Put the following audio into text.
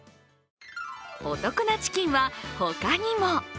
お得なチキンは他にも。